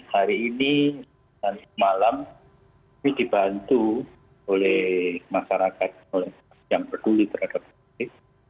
hari ini dan semalam kami dibantu oleh masyarakat yang peduli terhadap covid